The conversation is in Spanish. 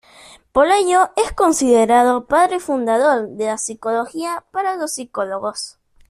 Por ello es considerado padre fundador de la psicología para los psicólogos.